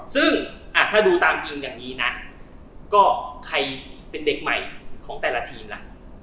ซึ่งถ้าดูตามทีมอย่างนี้นะก็ใครเป็นเด็กใหม่ของแต่ละทีมล่ะ